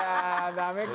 ダメか。